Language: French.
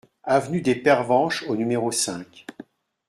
Avenue des Pervenches au numéro cinq